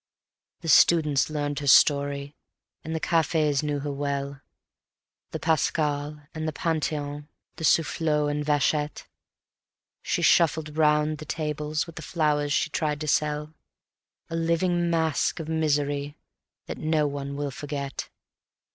The students learned her story and the cafes knew her well, The Pascal and the Panthéon, the Sufflot and Vachette; She shuffled round the tables with the flowers she tried to sell, A living mask of misery that no one will forget.